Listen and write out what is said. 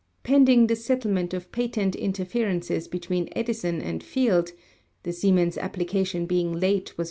Pending the settlement of patent interferences between Edison and Field (the Siemens application being late was.